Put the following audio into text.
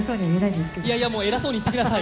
いやいや、もう偉そうに言ってください。